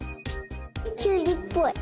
きゅうりっぽい。